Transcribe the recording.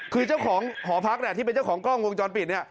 คือหอพรรคแหละที่เป็นเจ้าของกล้องวงจรปิดนี่